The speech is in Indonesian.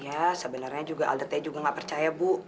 ya sebenarnya juga alda t juga nggak percaya bu